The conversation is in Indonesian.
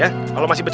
aku masih muda